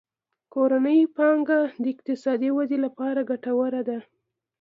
کورنۍ پانګونه د اقتصادي ودې لپاره ګټوره ده.